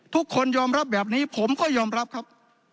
ทุกคนยอมรับแบบนี้ผมก็ยอมรับครับ